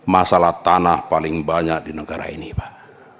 masalah tanah paling banyak di negara ini pak